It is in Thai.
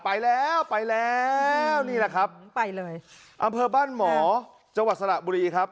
ไปแล้วไปแล้วนี่แหละครับไปเลยอำเภอบ้านหมอจังหวัดสระบุรีครับ